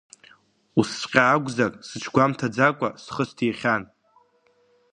Усҵәҟьа акәзар, сыҽгәамҭаӡакәа схы сҭихьан?!